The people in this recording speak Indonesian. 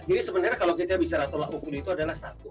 jadi sebenarnya kalau kita bicara tolak ukur itu adalah satu